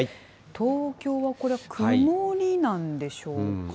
東京はこれ、曇りなんでしょうかね。